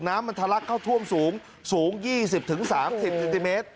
น้ำมันทะลักเข้าท่วมสูงสูงยี่สิบถึงสามสิบติมติเมตร